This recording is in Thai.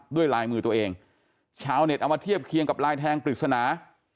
ด้วยลายมือตัวเองชาวเน็ตเอามาเทียบเคียงกับลายแทงปริศนา